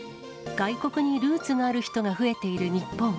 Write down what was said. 外国にルーツがある人が増えている日本。